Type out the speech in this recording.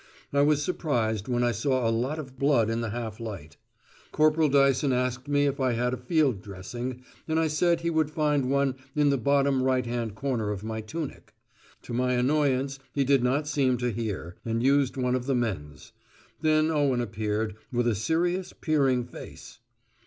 I was surprised when I saw a lot of blood in the half light. Corporal Dyson asked me if I had a field dressing, and I said he would find one in the bottom right hand corner of my tunic. To my annoyance he did not seem to hear, and used one of the men's. Then Owen appeared, with a serious peering face.